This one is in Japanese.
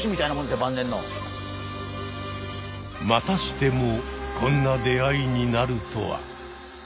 またしてもこんな出会いになるとは。